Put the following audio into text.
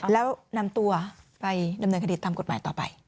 แล้วนำตัวไปดำเนินคดีตามกฎหมายต่อไป